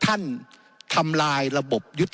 เป็นเพราะว่าคนกลุ่มหนึ่ง